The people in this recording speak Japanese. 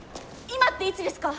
今っていつですか？